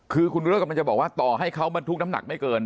คือคุณวิโรธกำลังจะบอกว่าต่อให้เขาบรรทุกน้ำหนักไม่เกิน